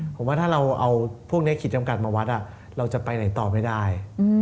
ผมว่าถ้าเราเอาพวกนี้ขีดจำกัดมาวัดเราจะไปไหนต่อไม่ได้